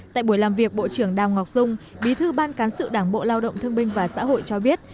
tại buổi làm việc bộ trưởng đào ngọc dung bí thư ban cán sự đảng bộ lao động thương binh và xã hội cho biết